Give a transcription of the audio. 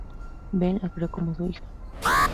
Ben la crio como su hija.